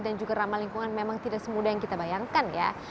dan juga ramah lingkungan memang tidak semudah yang kita bayangkan ya